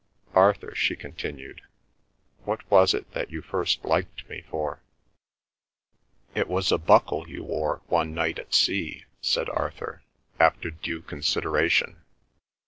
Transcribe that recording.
... Arthur," she continued, "what was it that you first liked me for?" "It was a buckle you wore one night at sea," said Arthur, after due consideration.